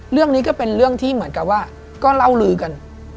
เรื่องนี้ก็เป็นเรื่องที่เหมือนกับว่าก็เล่าลือกัน